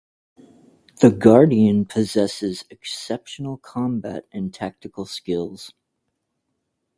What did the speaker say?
The Guardian possesses exceptional combat and tactical skills.